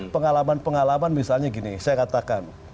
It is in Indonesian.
pengalaman pengalaman misalnya gini saya katakan